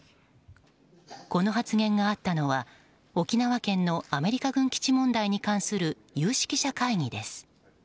この発言があったのは、沖縄県のアメリカ軍基地問題に関する有識者会議です。